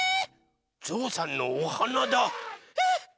ぞうさんのおはなだ！